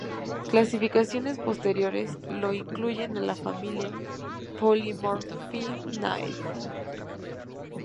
Clasificaciones posteriores lo incluyen en la Familia Polymorphinidae.